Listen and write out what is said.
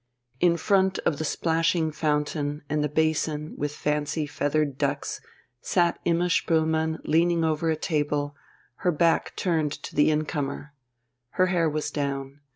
In front of the splashing fountain and the basin with fancy feathered ducks sat Imma Spoelmann leaning over a table, her back turned to the incomer. Her hair was down.